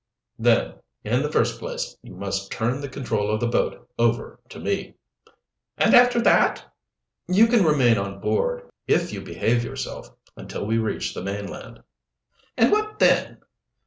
"Then, in the first place, you must turn the control of the boat over to me." "And after that?" "You can remain on board, if you behave yourself, until we reach the mainland." "And what then?"